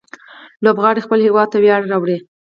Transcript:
لوبغاړي خپل هيواد ته ویاړ راوړي.